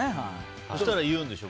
そしたら言うんでしょ？